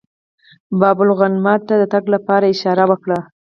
باب الغوانمه ته د تګ لپاره یې اشاره وکړه.